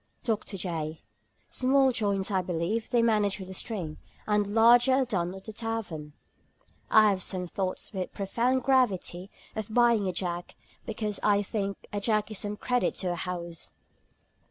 DR. J. "Small joints, I believe, they manage with a string, and larger are done at the tavern. I have some thoughts (with a profound gravity) of buying a jack, because I think a jack is some credit to a house."